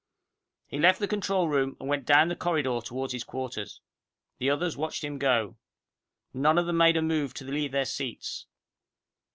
He left the control room, and went down the corridor toward his quarters. The others watched him go. None of them made a move to leave their seats.